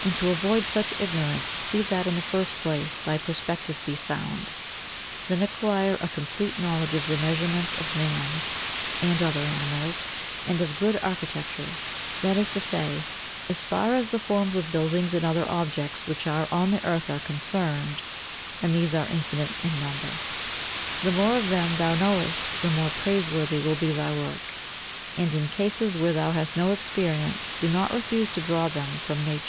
And to avoid such ignorance see that in the first place thy perspective be sound, then acquire a complete knowledge of the measurements of man and other animals, and of good architecture; that is to say, as far as the forms of buildings and other objects which are on the earth are concerned, and these are infinite in number. The more of them that thou knowest, the more praiseworthy will be thy work; and in cases where thou hast no experience do not refuse to draw them from nature.